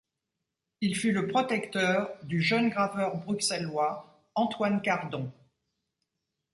Il fut le protecteur du jeune graveur bruxellois Antoine Cardon.